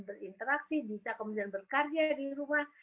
berinteraksi bisa kemudian berkarya di rumah